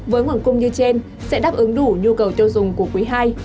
với nguồn cung như trên sẽ đáp ứng đủ nhu cầu tiêu dùng của quý ii